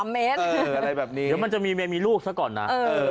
เมตรอะไรแบบนี้เดี๋ยวมันจะมีเมียมีลูกซะก่อนนะ